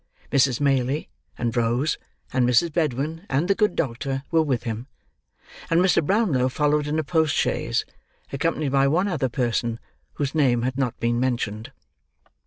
Mrs. Maylie, and Rose, and Mrs. Bedwin, and the good doctor were with him: and Mr. Brownlow followed in a post chaise, accompanied by one other person whose name had not been mentioned.